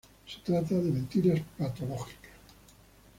Se trata de mentiras patológicas.